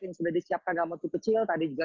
yang sudah disiapkan dalam waktu kecil tadi juga